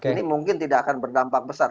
ini mungkin tidak akan berdampak besar